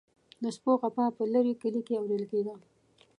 د سپو غپا په لرې کلي کې اوریدل کیده.